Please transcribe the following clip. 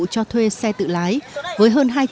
cho thuê xe tự lái với hơn